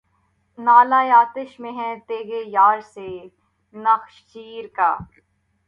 نعل آتش میں ہے تیغ یار سے نخچیر کا